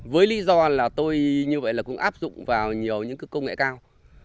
với lý do là tôi như vậy cũng áp dụng vào nhiều công nghệ cao